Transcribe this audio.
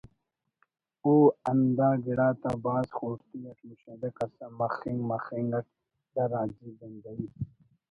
او ہندا گڑا تا بھاز خوڑتی اٹ مشاہدہ کرسا مخنگ مخنگ اٹ دا راجی گندہی